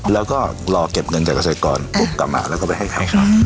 แล้วก็รอเก็บเงินจากเกษตรกรปุ๊บกลับมาแล้วก็ไปให้ใครเขา